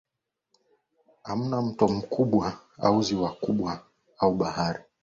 ama mto mkubwa au ziwa au bahari